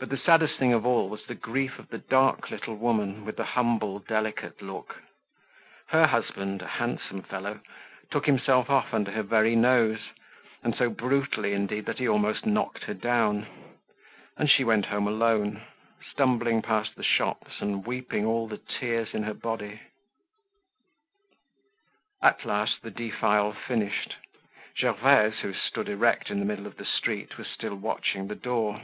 But the saddest thing of all was the grief of the dark little woman, with the humble, delicate look; her husband, a handsome fellow, took himself off under her very nose, and so brutally indeed that he almost knocked her down, and she went home alone, stumbling past the shops and weeping all the tears in her body. At last the defile finished. Gervaise, who stood erect in the middle of the street, was still watching the door.